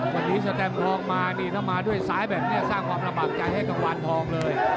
วันนี้สแตมทองมานี่ถ้ามาด้วยซ้ายแบบนี้สร้างความระบากใจให้กังวานทองเลย